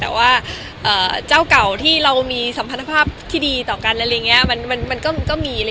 แต่ว่าเจ้าเก่าที่เรามีสัมพันธภาพที่ดีต่อกันอะไรอย่างนี้มันก็มี